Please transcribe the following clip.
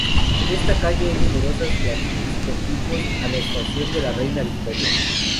En esta calle hay numerosos grafitis contiguos a la estación del Reina Victoria.